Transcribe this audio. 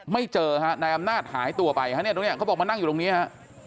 ไม่เจอฮะนายอำนาจหายตัวไปฮะเนี่ยตรงนี้เขาบอกมานั่งอยู่ตรงนี้ฮะ